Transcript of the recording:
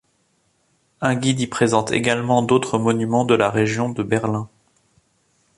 Un guide y présente également d'autres monuments de la région de Berlin.